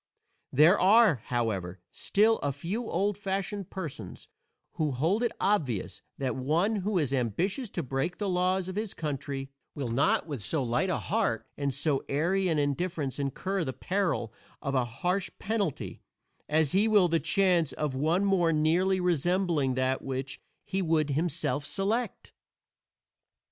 There are, however, still a few old fashioned persons who hold it obvious that one who is ambitious to break the laws of his country will not with so light a heart and so airy an indifference incur the peril of a harsh penalty as he will the chance of one more nearly resembling that which he would himself select.